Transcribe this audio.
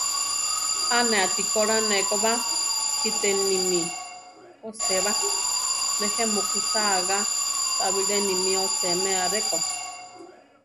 A ne atí ko lá ne ko ba, kite nimí osée ba; nejé mukusáa ga, ta bilé nimí oséme a rʼeko.